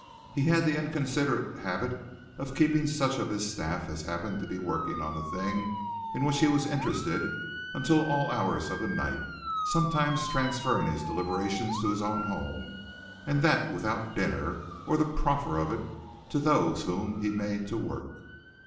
He had the inconsiderate habit of keeping such of his staff as happened to be working upon the thing in which he was interested until all hours of the night; sometimes transferring his deliberations to his own home and that without dinner or the proffer of it to those whom he made to work.